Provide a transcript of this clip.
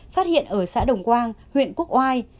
phát hiện ở xã đồng quang huyện quốc oai